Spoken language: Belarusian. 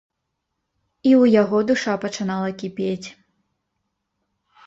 І ў яго душа пачынала кіпець.